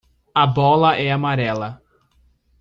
A bola é amarela.